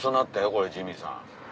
これジミーさん。